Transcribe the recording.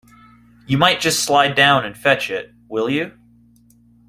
You might just slide down and fetch it, will you?